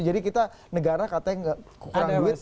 jadi kita negara katanya kurang duit